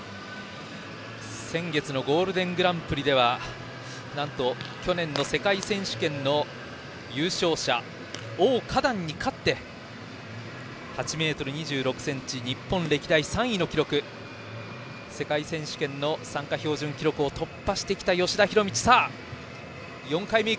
先月のゴールデングランプリではなんと去年の世界選手権の優勝者に勝って日本歴代３位の記録で世界選手権の参加標準記録を突破してきた吉田弘道。